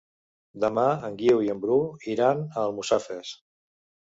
Demà en Guiu i en Bru iran a Almussafes.